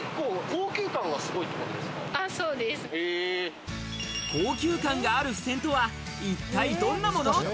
高級感がある付箋とは一体どんなもの？